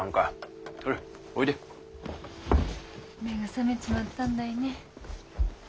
目が覚めちまったんだいね。